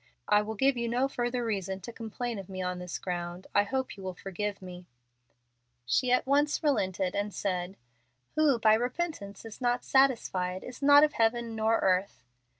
I will give you no further reason to complain of me on this ground. I hope you will forgive me." She at once relented, and said: "'Who by repentance is not satisfied Is not of heaven nor earth.'